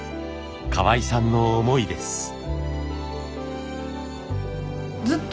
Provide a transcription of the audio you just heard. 河合さんの思いです。